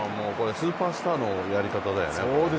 スーパースターのやり方だよね。